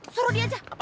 suruh dia aja